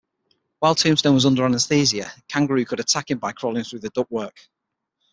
While Tombstone was under anesthesia, Kangaroo could attack him by crawling through the ductwork.